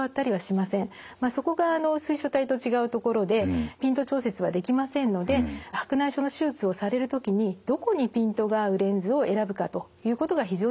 まあそこが水晶体と違うところでピント調節はできませんので白内障の手術をされる時にどこにピントが合うレンズを選ぶかということが非常に重要になってきます。